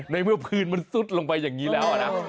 ในเมื่อพื้นมันซุดลงไปอย่างงี้แล้วอ่ะนะเอออืม